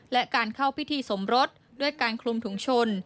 และการเข้าพิธีสมรสด้วยการคลุมถุงชน